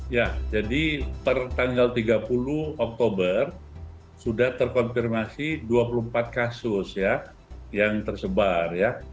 ya jadi per tanggal tiga puluh oktober sudah terkonfirmasi dua puluh empat kasus ya yang tersebar ya